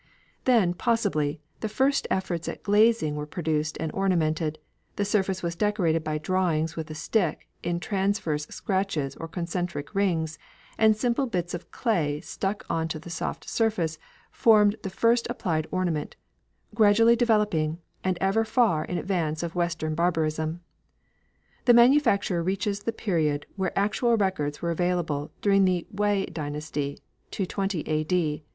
Then, possibly, the first efforts at glazing were produced and ornamented, the surface was decorated by drawings with a stick in transverse scratches or concentric rings, and simple bits of clay stuck on to the soft surface formed the first applied ornament, gradually developing, and ever far in advance of Western barbarism. The manufacture reaches the period where actual records were available during the Wei dynasty, 220 A.D.